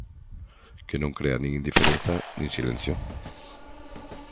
Que non crea nin indiferenza nin silencio.